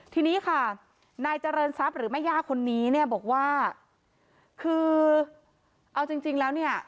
ทีนี้ค่ะนายเจริญทรัพย์หรือแม่ย่าคนนี้เนี่ยบอกว่าคือเอาจริงจริงแล้วเนี่ย